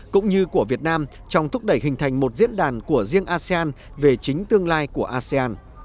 cũng như của việt nam trong thúc đẩy hình thành một diễn đàn của riêng asean về chính tương lai của asean